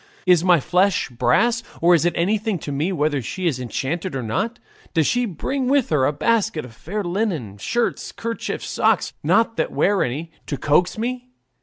Is my flesh brass? or is it anything to me whether she is enchanted or not? Does she bring with her a basket of fair linen, shirts, kerchiefs, socks not that wear any to coax me?